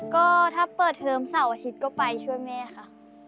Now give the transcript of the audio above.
ก็ถ้าเปิดเทอมเสาร์อาทิตย์ก็ไปช่วยแม่ค่ะ